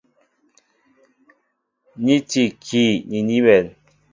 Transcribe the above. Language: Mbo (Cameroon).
Ni tí ikii ni ní bɛ̌n.